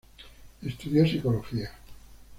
Estudió Psicología.